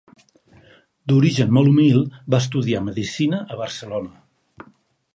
D'origen molt humil, va estudiar Medicina a Barcelona.